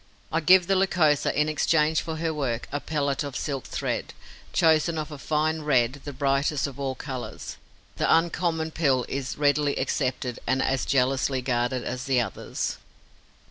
I give the Lycosa, in exchange for her work, a pellet of silk thread, chosen of a fine red, the brightest of all colours. The uncommon pill is as readily accepted and as jealously guarded as the others.